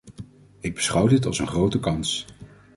Ik beschouw dit als een grote kans.